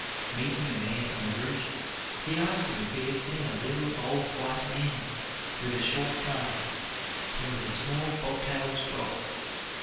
Meeting a man on the route, he asked him if he had seen a little, old, white man, with a short gun, and with a small bobtailed dog.